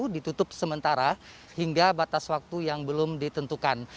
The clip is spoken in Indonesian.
ditutup sementara hingga batas waktu yang belum ditentukan